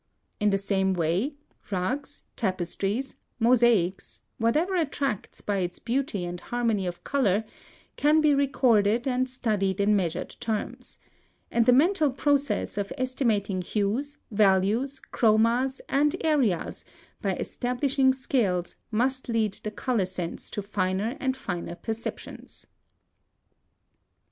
In the same way, rugs, tapestries, mosaics, whatever attracts by its beauty and harmony of color, can be recorded and studied in measured terms; and the mental process of estimating hues, values, chromas, and areas by established scales must lead the color sense to finer and finer perceptions.